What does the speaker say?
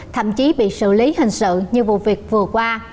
thậm chí bị xử lý hình sự như vụ việc vừa qua